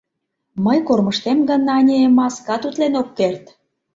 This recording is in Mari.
Мый кормыжтем гын, ане, маскат утлен ок керт!..